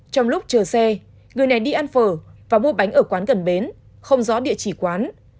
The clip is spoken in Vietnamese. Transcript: trong lúc chờ xe người này đi ăn phở và mua bánh ở quán gần bến không rõ địa chỉ quán